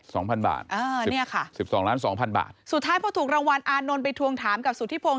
สองพันบาทเออเนี้ยค่ะสิบสองล้านสองพันบาทสุดท้ายพอถูกรางวัลอานนท์ไปทวงถามกับสุธิพงศ